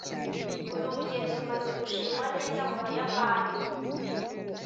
uyu mugenzo umaze gushingwa neza mubayapani